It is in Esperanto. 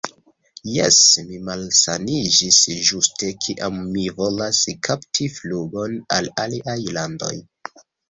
Jes, mi malsaniĝis ĝuste kiam mi volas kapti flugon al aliaj landoj